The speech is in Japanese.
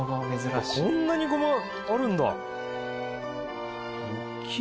こんなにごまあるんだ。